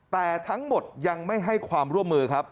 แต่ทั้งหมดยังไม่ให้ความร่วมมือครับ